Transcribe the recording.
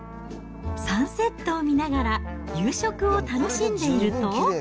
サンセットを見ながら夕食を楽しんでいると。